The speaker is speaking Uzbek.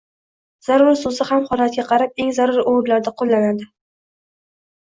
“Zarur” so‘zi ham holatga qarab, eng zarur o‘rinlarda qo‘llanadi.